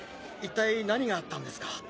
一体何があったんですか？